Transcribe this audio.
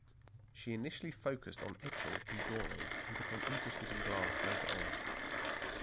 She initially focused on etching and drawing and became interested in glass later on.